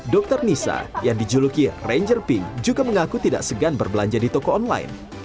dokter nisa yang dijuluki ranger pink juga mengaku tidak segan berbelanja di toko online